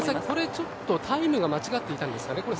これ、ちょっとタイムが間違っていたんですかね。